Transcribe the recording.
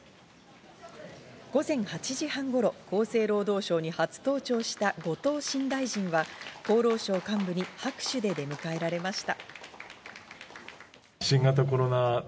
午前８時半頃、厚生労働省に初登庁した後藤新大臣は厚労省幹部に拍手で出迎えられました。